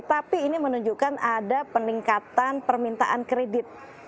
tapi ini menunjukkan ada peningkatan permintaan kredit